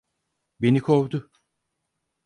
Beni kovdu.